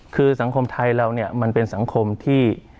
คือสังคมไทยเราเนี่ยมันเป็นสังคมที่